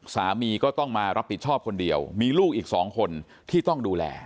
สามีก็ต้องมารับผิดชอบคนเดียวมีลูกอีก๒คนที่ต้องดูแล